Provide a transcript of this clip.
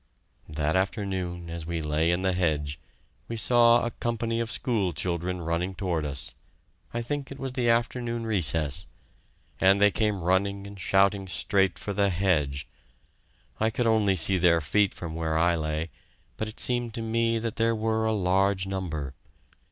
That afternoon as we lay in the hedge, we saw a company of school children running toward us. I think it was the afternoon recess, and they came running and shouting straight for the hedge. I could only see their feet from where I lay, but it seemed to me that there were a large number.